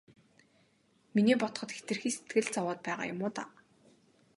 Миний бодоход хэтэрхий сэтгэл зовоод байгаа юм уу даа.